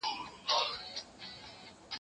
یو او دوه په سمه نه سي گرځېدلای